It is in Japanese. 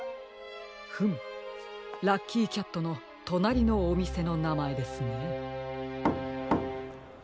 フムラッキーキャットのとなりのおみせのなまえですね。